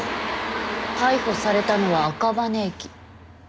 逮捕されたのは赤羽駅。